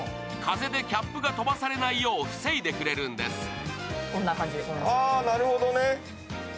風でキャップが飛ばされないよう防いでくれるんです。